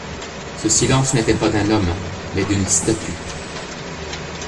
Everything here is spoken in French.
Ce silence n'était pas d'un homme, mais d'une statue.